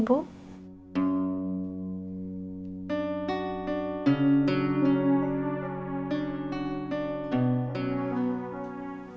pake hampir gue telefonnya dong